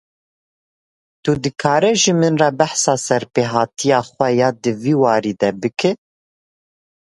Tu dikarî ji me re behsa serpêhatiya xwe ya di vî warî de bikî ?